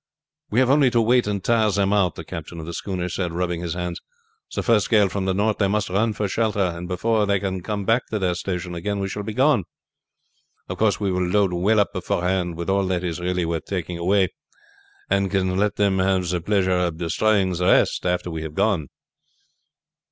"We have only to wait and tire them out," the captain of the schooner said, rubbing his hands. "The first gale from the north they must run for shelter, and before they can come back to their station again we shall be gone. Of course we will load well up beforehand with all that is really worth taking away, and can let them have the pleasure of destroying the rest after we have gone."